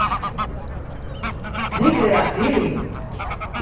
Ni kreas ilin!